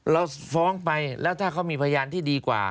เราฟ้องไปแล้วถ้าเขามีพยานที่ดีกว่า